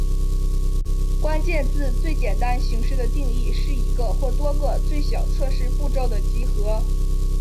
关键字最简单形式的定义是一个或多个最小测试步骤的集合。